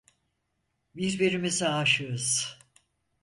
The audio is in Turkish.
Birbirimize aşığız.